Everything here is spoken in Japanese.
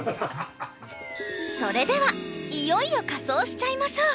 それではいよいよ仮装しちゃいましょう！